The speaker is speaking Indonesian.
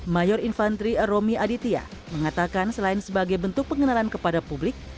mayor infantri romi aditya mengatakan selain sebagai bentuk pengenalan kepada publik